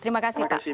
terima kasih pak